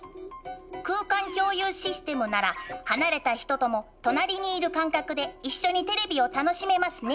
空間共有システムなら離れた人とも隣にいる感覚で一緒にテレビを楽しめますね。